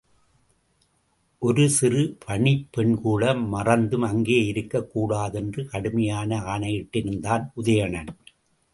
ஒரு சிறு பணிப்பெண்கூட மறந்தும் அங்கே இருக்கக் கூடாது என்று கடுமையான ஆணையிட்டிருந்தான் உதயணன்.